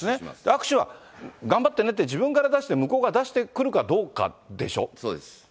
握手は頑張ってねって自分から出して、向こうが出してくるかそうです。